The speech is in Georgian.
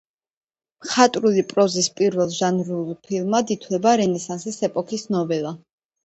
მხატვრული პროზის პირველ ჟანრულ ფორმად ითვლება რენესანსის ეპოქის ნოველა.